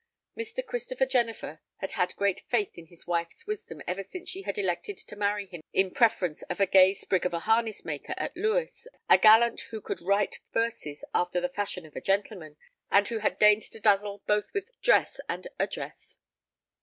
Mr. Christopher Jennifer had had great faith in his wife's wisdom ever since she had elected to marry him in preference to a gay sprig of a harness maker at Lewes, a gallant who could write verses after the fashion of a gentleman, and had deigned to dazzle both with dress and address.